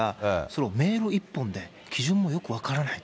それをメール一本で、基準もよく分からない。